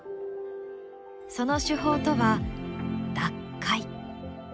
その手法とは脱灰。